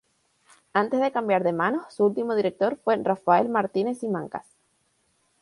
Antes de cambiar de manos, su último director fue Rafael Martínez-Simancas.